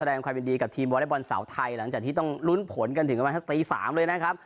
แสดงความยินดีกับทีมวอเล็กบอลสาวไทยหลังจากที่ต้องลุ้นผลกันถึงประมาณสักตี๓เลยนะครับ